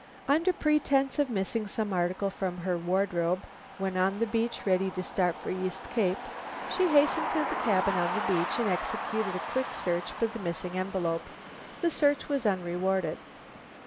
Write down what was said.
Under pretense of missing some article from her wardrobe when on the beach ready to start for East Cape, she hastened to the cabin on the beach, and executed a quick search for the missing envelope. The search was unrewarded.